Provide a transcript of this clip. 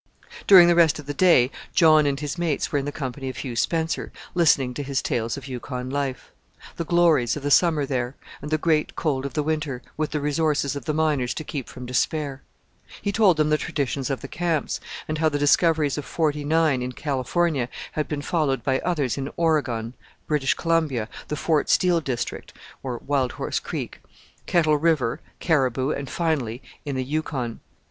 During the rest of the day John and his mates were in the company of Hugh Spencer, listening to his tales of Yukon life: the glories of the summer there, and the great cold of the winter, with the resources of the miners to keep from despair. He told them the traditions of the camps, and how the discoveries of '49 in California had been followed by others in Oregon, British Columbia, the Fort Steele district (Wild Horse Creek), Kettle River, Caribou, and, finally, in the Yukon.